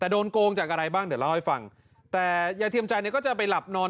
แต่โดนโกงจากอะไรบ้างเดี๋ยวเล่าให้ฟังแต่ยายเทียมใจเนี่ยก็จะไปหลับนอน